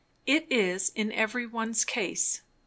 "It is every one's case.